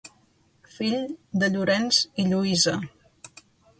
Fill de Llorenç i Lluïsa.